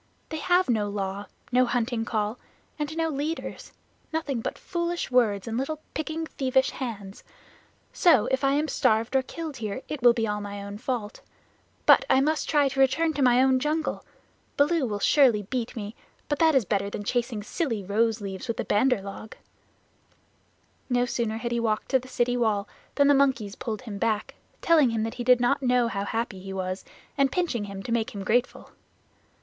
"They have no Law, no Hunting Call, and no leaders nothing but foolish words and little picking thievish hands. So if I am starved or killed here, it will be all my own fault. But I must try to return to my own jungle. Baloo will surely beat me, but that is better than chasing silly rose leaves with the Bandar log." No sooner had he walked to the city wall than the monkeys pulled him back, telling him that he did not know how happy he was, and pinching him to make him grateful.